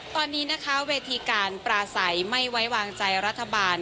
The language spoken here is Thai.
ตอนนี้นะคะเวทีการปราศัยไม่ไว้วางใจรัฐบาล